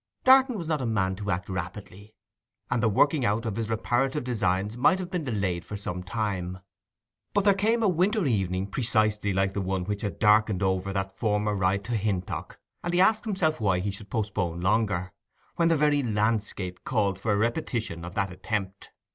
Darton was not a man to act rapidly, and the working out of his reparative designs might have been delayed for some time. But there came a winter evening precisely like the one which had darkened over that former ride to Hintock, and he asked himself why he should postpone longer, when the very landscape called for a repetition of that attempt.